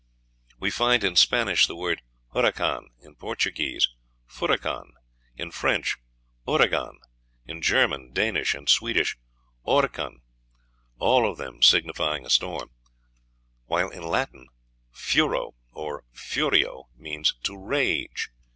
We find in Spanish the word huracan; in Portuguese, furacan; in French, ouragan; in German, Danish, and Swedish, orcan all of them signifying a storm; while in Latin furo, or furio, means to rage.